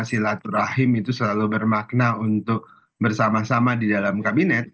silaturahim itu selalu bermakna untuk bersama sama di dalam kabinet